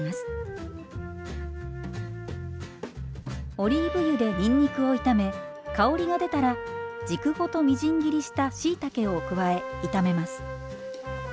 オリーブ油でにんにくを炒め香りが出たら軸ごとみじん切りしたしいたけを加え炒めます。